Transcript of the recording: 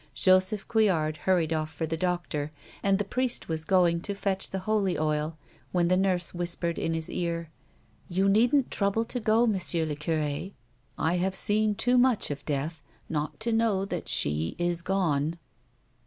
Joseph Couillard hurried off for the doctor, and the priest was going to fetch the holy oil, when the nurse whispered in his ear, "You needn't trouble to go. Monsieur le ciu e. I have seen too much of death not to know that she is gone."